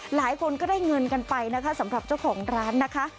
หลายคนก็ได้เงินกันไปนะคะสำหรับเจ้าของร้านนะคะ